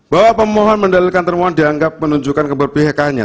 bahwa pemohon mendalilkan termohon dianggap menunjukkan keberpihakannya